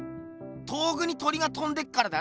遠くに鳥がとんでっからだな。